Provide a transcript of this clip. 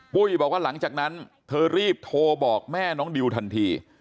ปุ้ยบอกว่าหลังจากนั้นเธอรีบโทรบอกแม่น้องดิวทันที